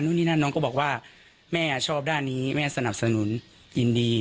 นี่นั่นน้องก็บอกว่าแม่ชอบด้านนี้แม่สนับสนุนยินดี